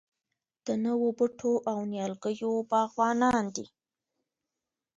د نوو بوټو او نیالګیو باغوانان دي.